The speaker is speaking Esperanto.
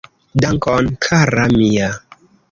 Dankon kara mia